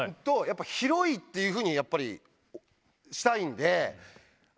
広いっていうふうにやっぱりしたいんで。